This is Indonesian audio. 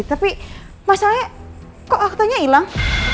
tapi masalahnya kok aktenya ilang